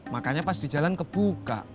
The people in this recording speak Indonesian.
makanya pas di jalan kebuka